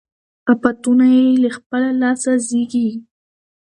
آفتونه یې له خپله لاسه زېږي